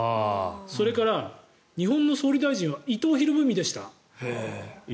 それから日本の総理大臣は伊藤博文でした。